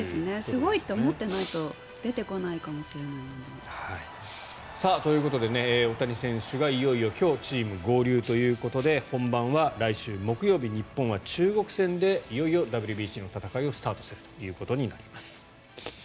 すごいと思ってないと出てこないかもしれない。ということで大谷選手がいよいよ今日チームに合流ということで本番は来週木曜日日本は中国戦でいよいよＷＢＣの戦いをスタートするということになります。